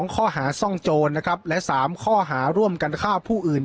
ค่ะและ๓ข้อหาร่วมกันฆ่าผู้อื่น